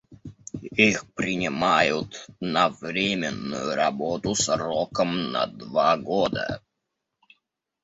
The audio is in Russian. Их принимают на временную работу сроком на два года.